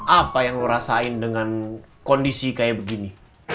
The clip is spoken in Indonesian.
apa yang lo rasain dengan kondisi kayak begini